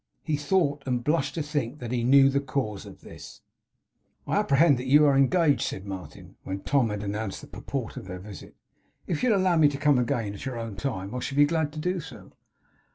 He thought, and blushed to think, that he knew the cause of this. 'I apprehend you are engaged,' said Martin, when Tom had announced the purport of their visit. 'If you will allow me to come again at your own time, I shall be glad to do so.